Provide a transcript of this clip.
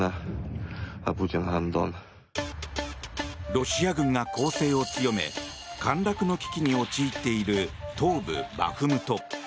ロシア軍が攻勢を強め陥落の危機に陥っている東部バフムト。